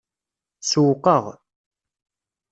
Sewwqeɣ.